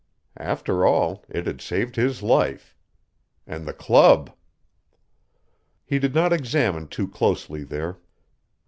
After all it had saved his life. And the club He did not examine too closely there.